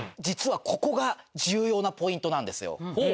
実はここが重要なポイントなんですよ。